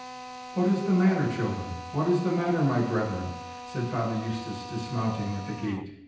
"What is the matter, children? what is the matter, my brethren?" said Father Eustace, dismounting at the gate.